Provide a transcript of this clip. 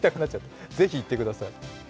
ぜひ行ってください。